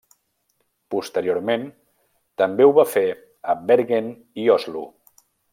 Posteriorment també ho va fer a Bergen i Oslo.